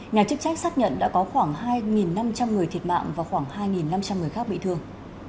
nhà chức trách xác nhận đã có khoảng hai năm trăm linh người thiệt mạng và khoảng hai năm trăm linh người khác bị thương